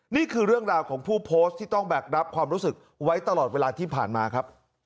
นี่คือเรื่องราวของผู้โพสต์ที่ต้องแบกรับความรู้สึกไว้ตลอดเวลาที่ผ่านมาครับ